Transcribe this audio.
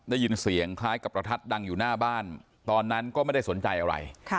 ได้ยินเสียงคล้ายกับประทัดดังอยู่หน้าบ้านตอนนั้นก็ไม่ได้สนใจอะไร